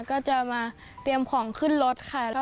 ก็จะมาเตรียมของขึ้นรถค่ะ